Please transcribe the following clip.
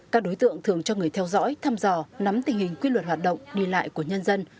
các đối tượng thường cho người theo dõi thăm dò nắm tình hình quy luật hoạt động đi lại của nhân dân